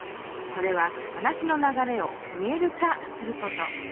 それは話の流れを「見える化」すること。